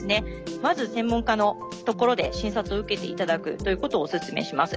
まず専門家のところで診察を受けていただくということをお勧めします。